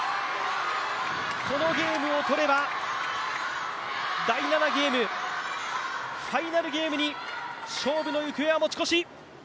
このゲームを取れば第７ゲームファイナルゲームに勝負の行方は持ち越し。